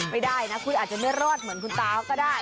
ไม่ได้นะคุณอาจจะไม่รอดเหมือนคุณตาก็ได้